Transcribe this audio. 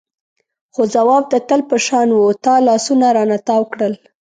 خو ځواب د تل په شان و تا لاسونه رانه تاو کړل.